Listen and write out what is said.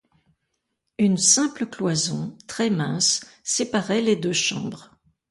Une simple cloison, très-mince, séparait les deux chambres.